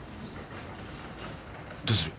どうする？